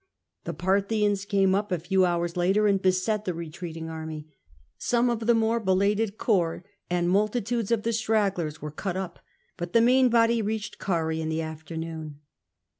The Parthians came up a few hours later and beset the retreating ax'my. Some of the more belated corps and multitudes of the stragglers were cut up, but the main body reached Oarrhae in the afternoon.